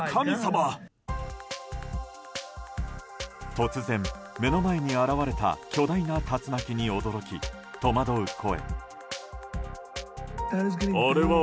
突然、目の前に現れた巨大な竜巻に驚き、戸惑う声。